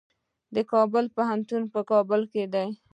د کابل پوهنتون په کابل کې دی